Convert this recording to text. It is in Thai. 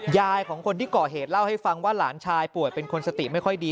ยายของคนที่ก่อเหตุเล่าให้ฟังว่าหลานชายป่วยเป็นคนสติไม่ค่อยดี